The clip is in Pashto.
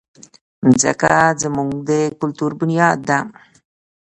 مځکه زموږ د کلتور بنیاد ده.